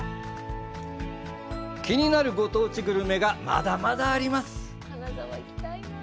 気になるご当地グルメがまだまだあります。